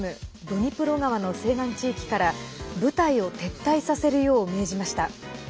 ドニプロ川の西岸地域から部隊を撤退させるよう命じました。